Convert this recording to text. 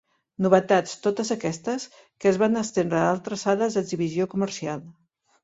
Novetats, totes aquestes, que es van estendre a altres sales d'exhibició comercial.